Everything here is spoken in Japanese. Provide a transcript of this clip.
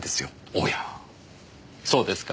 おやそうですか。